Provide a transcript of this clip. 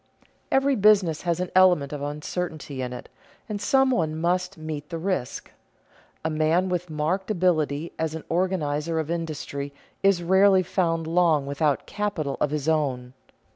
_ Every business has an element of uncertainty in it, and some one must meet the risk. A man with marked ability as an organizer of industry is rarely found long without capital of his own.